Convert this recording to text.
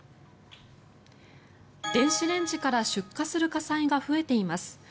電子レンジから出火する火災が増えています。